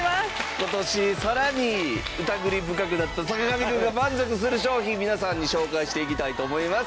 今年さらにうたぐり深くなった坂上くんが満足する商品皆さんに紹介していきたいと思います。